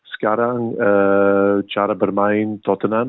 sekarang cara bermain tottenham